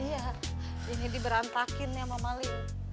iya ini diberantakin sama mali